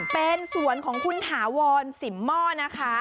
เป็นสวนของคุณถาวรสิมหม้อนะคะ